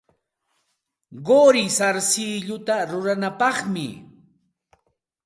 Quri sarsilluta ruranapaqmi.